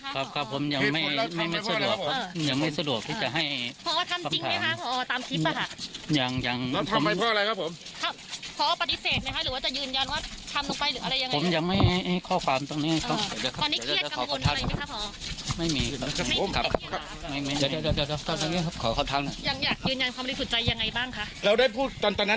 พก่อนที่จะชื่นมาถึงอะไรเท่านั้นล่ะครับ